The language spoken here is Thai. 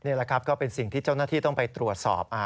นี่แหละครับก็เป็นสิ่งที่เจ้าหน้าที่ต้องไปตรวจสอบ